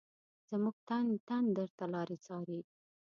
زمونږ تن تن درته لاري څاري